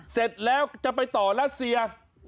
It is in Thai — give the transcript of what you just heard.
เสร็จแล้วจะไปต่อรัสเซีย